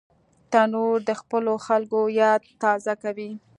تنور د خپلو خلکو یاد تازه کوي